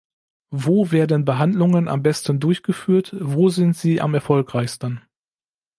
Wo werden Behandlungen am besten durchgeführt, wo sind sie am erfolgreichsten?